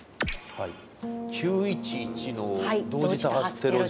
はい９．１１の同時多発テロ事件。